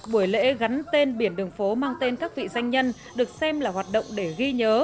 buổi lễ gắn tên biển đường phố mang tên các vị danh nhân được xem là hoạt động để ghi nhớ